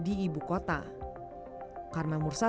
di ibu kota